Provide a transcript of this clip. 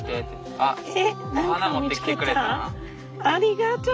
ありがとう！